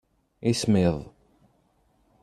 Ismiḍ.